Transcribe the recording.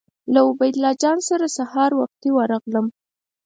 له عبیدالله جان سره سهار وختي ورغلم.